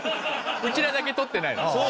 うちらだけとってないの。